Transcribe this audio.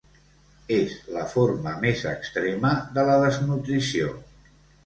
És la forma més extrema de la desnutrició.